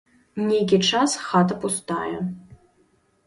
Нейкі час хата пустая.